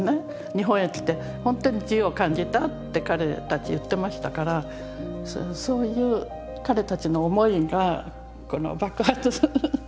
「日本へ来てほんとに自由を感じた」って彼たち言ってましたからそういう彼たちの思いがこの爆発する。